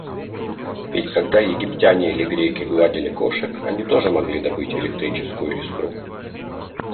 Ведь когда египтяне или греки гладили кошек, они тоже могли добыть электрическую искру.